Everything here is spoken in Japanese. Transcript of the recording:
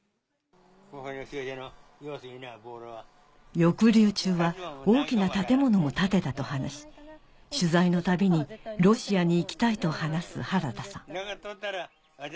抑留中は大きな建物を建てたと話し取材のたびにロシアに行きたいと話す原田さん